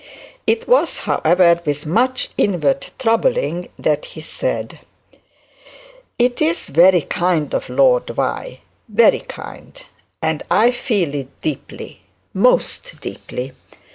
It was, however, with much troubling that he said 'It's very kind of Lord very kind, and I feel it deeply, most deeply.